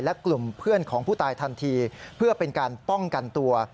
และกลุ่มเพื่อนของผู้ตายทันทีเพื่อเป็นการป้องกันตัว